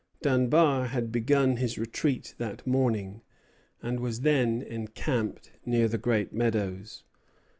Dunbar had begun his retreat that morning, and was then encamped near the Great Meadows.